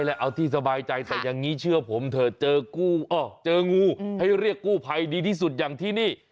เอาที่สบายใจแต่อย่างนี้เชื่อผมเถอะเจอกู้เจองูให้เรียกกู้ภัยดีที่สุดอย่างที่นี่